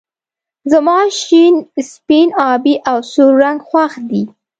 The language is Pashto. زما شين سپين آبی او سور رنګ خوښ دي